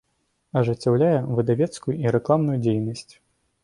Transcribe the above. Ажыццяўляе выдавецкую і рэкламную дзейнасць.